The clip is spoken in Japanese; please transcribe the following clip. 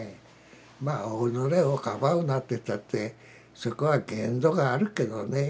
まあ「己をかばうな」と言ったってそこは限度があるけどね。